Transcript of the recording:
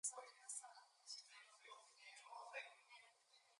No traces of the castle remain.